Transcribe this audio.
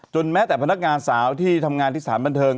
แม้แต่พนักงานสาวที่ทำงานที่สถานบันเทิง